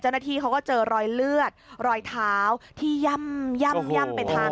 เจ้าหน้าที่เขาก็เจอรอยเลือดรอยเท้าที่ย่ำย่ำเป็นทาง